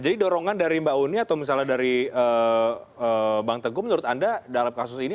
jadi dorongan dari mbak uni atau misalnya dari bang tengku menurut anda dalam kasus ini